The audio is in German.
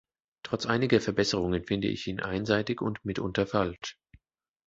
Trotz einiger Verbesserungen finde ich ihn einseitig und mitunter falsch.